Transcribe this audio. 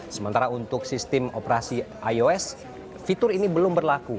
sementara untuk sistem operasi ios fitur ini belum berlaku